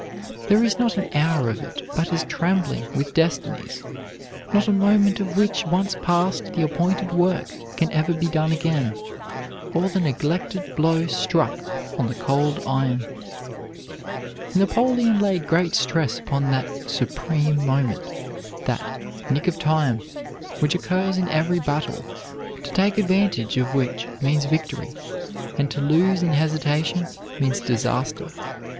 There is not an hour of it but is trembling with destinies not a moment of which, once passed, the appointed work can ever be done again, or the neglected blow struck on the cold iron." Napoleon laid great stress upon that "supreme moment," that "nick of time" which occurs in every battle, to take advantage of which means victory, and to lose in hesitation means disaster.